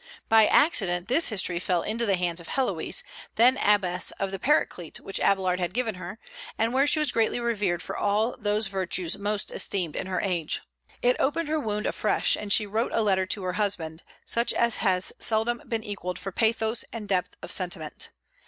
By accident this history fell into the hands of Héloïse, then abbess of the Paraclete, which Abélard had given her, and where she was greatly revered for all those virtues most esteemed in her age. It opened her wound afresh, and she wrote a letter to her husband such as has seldom been equalled for pathos and depth of sentiment.